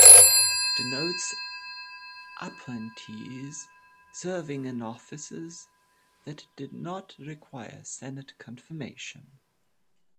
Denotes appointees serving in offices that did not require Senate confirmation.